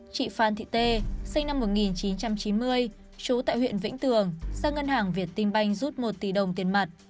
chị phan thị tê sinh năm một nghìn chín trăm chín mươi trú tại huyện vĩnh tường sang ngân hàng việt tinh banh rút một tỷ đồng tiền mặt